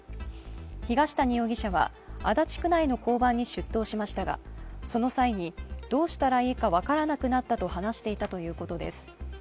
東谷容疑者は足立区内の交番に出頭しましたがその際に、どうしたらいいか分からなくなったと話していたということです。